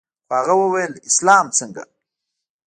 خو هغه وويل اسلام څنگه.